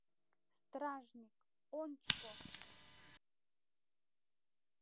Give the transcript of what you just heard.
Стражник, ончыко!..